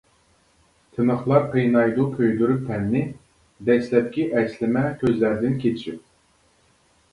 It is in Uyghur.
تىنىقلار قىينايدۇ كۆيدۈرۈپ تەننى، دەسلەپكى ئەسلىمە كۆزلەردىن كېچىپ.